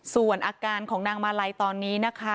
ส่วนอาการของนางมาลัยตอนนี้นะคะ